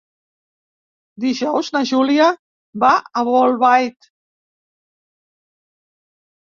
Dijous na Júlia va a Bolbait.